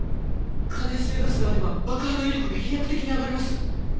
可燃性ガスがあれば爆破の威力が飛躍的に上がります。